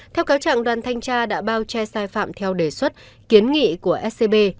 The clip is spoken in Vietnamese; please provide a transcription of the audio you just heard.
theo cáo trạng đoàn thanh tra đã bao che sai phạm theo đề xuất kiến nghị của scb